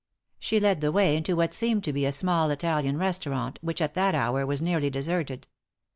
She led the way into what seemed to be a small Italian restaurant, which at that hour was Dearly deserted.